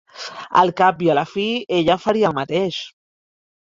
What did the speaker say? Al cap i a la fi, ella faria el mateix.